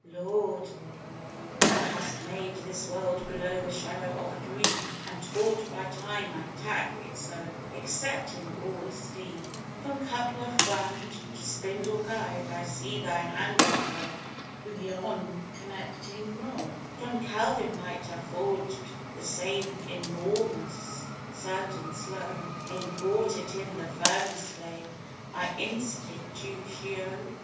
Lord, Thou hast made this world below the shadow of a dream, An', taught by time, I tak' it so exceptin' always Steam. From coupler flange to spindle guide I see Thy Hand, O God Predestination in the stride o' yon connectin' rod. John Calvin might ha' forged the same enorrmous, certain, slow Ay, wrought it in the furnace flame my "Institutio."